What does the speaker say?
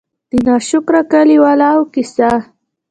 د نا شکره کلي والو قيصه :